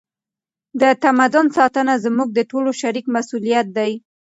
د تمدن ساتنه زموږ د ټولو شریک مسؤلیت دی.